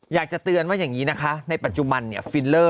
อยากจะเตือนว่าอย่างนี้นะคะในปัจจุบันเนี่ยฟิลเลอร์